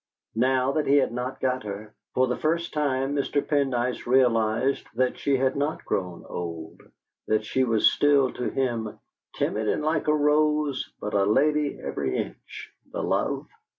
Now that he had not got her, for the first time Mr. Pendyce realised that she had not grown old, that she was still to him "timid, and like a rose, but a lady every hinch, the love!"